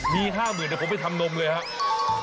มีห้าหมื่นเดี๋ยวผมไปทำนมเลยครับ